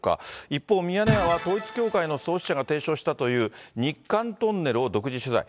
一方、ミヤネ屋は統一教会の創始者が提唱したという日韓トンネルを独自取材。